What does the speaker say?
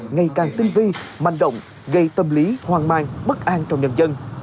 ngày càng tinh vi manh động gây tâm lý hoang mang bất an trong nhân dân